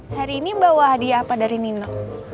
hari ini bawa hadiah apa dari nino